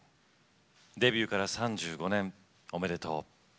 デビューから３５年おめでとう！